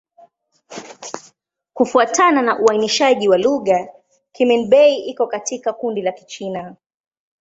Kufuatana na uainishaji wa lugha, Kimin-Bei iko katika kundi la Kichina.